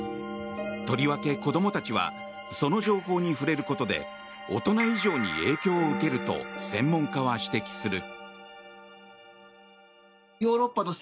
とりわけ子供たちはその情報に触れることで大人以上に影響を受けると専門家は指摘する。